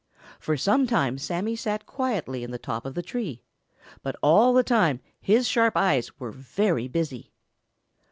For some time Sammy sat quietly in the top of the tree, but all the time his sharp eyes were very busy.